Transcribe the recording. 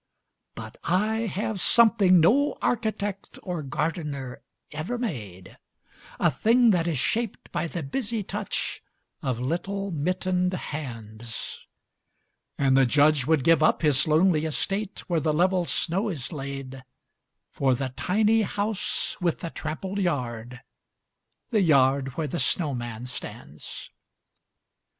But I have something no architect or gardener ever made, A thing that is shaped by the busy touch of little mittened hands: And the Judge would give up his lonely estate, where the level snow is laid For the tiny house with the trampled yard, the yard where the snowman stands.